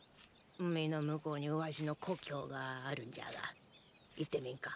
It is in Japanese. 海の向こうにワシの故郷があるんじゃが行ってみんか？